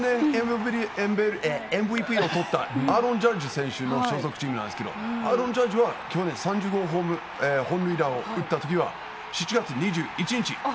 ＭＶＰを取ったアーロン・ジャッジ選手の所属チームなんですけど、ジャッジ選手が去年ホームランを打ったときは、７月２１日。